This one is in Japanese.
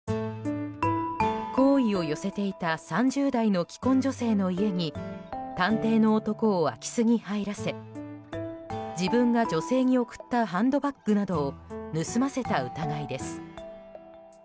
好意を寄せていた３０代の既婚女性の家に探偵の男を空き巣に入らせ自分が女性に贈ったハンドバッグなどを盗ませた疑いです。